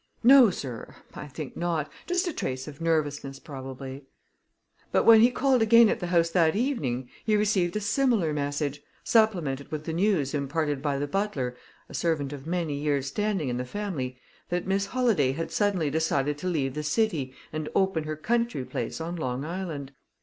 "No, sir; I think not. Just a trace of nervousness probably." But when he called again at the house that evening, he received a similar message, supplemented with the news imparted by the butler, a servant of many years' standing in the family, that Miss Holladay had suddenly decided to leave the city and open her country place on Long Island.